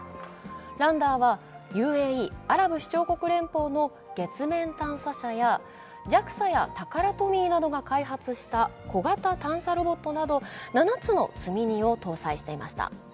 「ランダー」はＵＡＥ＝アラブ首長国連邦の月面探査車やＪＡＸＡやタカラトミーなどが開発した小型探査ロボットなど７つの積み荷を搭載していました。